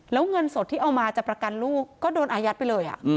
แล้วเงินสดที่เอามาจะประกันลูกก็โดนอายัดไปเลย